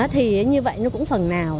thì như vậy nó cũng phần nào